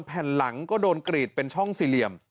แผ่นหลังก็โดนกรีดเป็นช่องสี่เหลี่ยม